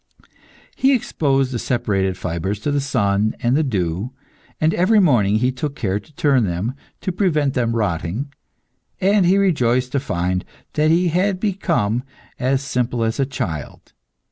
He exposed the separated fibres to the sun and the dew, and every morning he took care to turn them, to prevent them rotting; and he rejoiced to find that he had become as simple as a child.